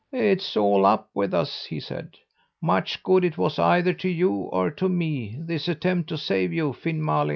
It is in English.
"'It's all up with us!' he said. 'Much good it was, either to you or to me, this attempt to save you, Finn Malin!'